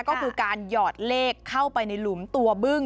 ก็คือการหยอดเลขเข้าไปในหลุมตัวบึ้ง